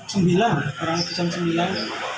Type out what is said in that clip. terjam jam dua dan satu an